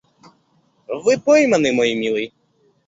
Вы пойманы, мой милый.